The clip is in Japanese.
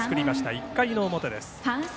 １回の表です。